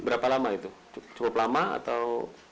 berapa lama itu cukup lama atau